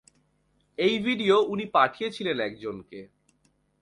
এই ভিডিও উনি পাঠিয়েছিলেন একজনকে।